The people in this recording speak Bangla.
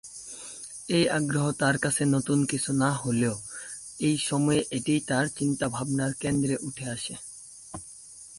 এই আগ্রহ তার কাছে নতুন কিছু না হলেও এই সময়ে এটিই তার চিন্তাভাবনার কেন্দ্রে উঠে আসে।